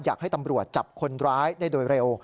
อยากให้ตำรวจจับคนร้ายได้โดยเร็ว